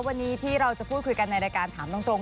วันนี้ที่เราจะพูดคุยกันในรายการถามตรง